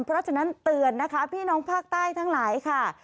เพราะฉะนั้นเตือนนะคะพี่น้องภาคใต้ทั้งหลายค่ะ